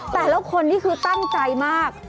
แต่ละคนนี่คือตั้งใจมาก